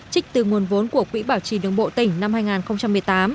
trích từ nguồn vốn của quỹ bảo trì đường bộ tỉnh năm hai nghìn một mươi tám